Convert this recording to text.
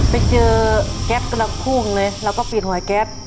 ไปเจอแก๊ปกำลังพุ่งเลยเราก็ปิดหัวแก๊ป